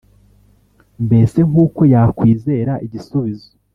mbese nk’uko yakwizera igisubizo